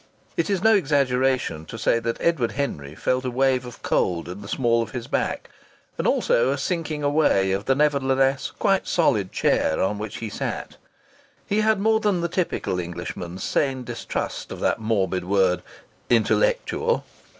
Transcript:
It is no exaggeration to say that Edward Henry felt a wave of cold in the small of his back, and also a sinking away of the nevertheless quite solid chair on which he sat. He had more than the typical Englishman's sane distrust of that morbid word 'Intellectual.'